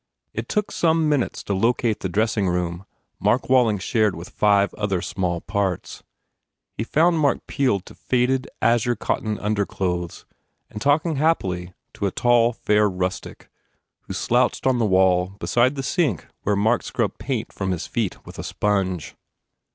It took some minutes to locate the dressing room Mark Walling shared with five other small parts. He found Mark peeled to faded, azure cotton underclothes and talking happily to a tall, fair rustic who slouched on the wall beside the sink where Mark scrubbed paint from his feet with a sponge.